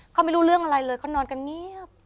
เขาไม่รู้เรื่องอะไรเลยเขานอนกันเงียบ